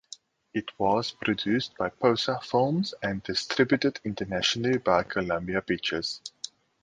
It was produced by Posa Films and distributed internationally by Columbia Pictures.